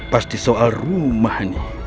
pasti soal rumah nih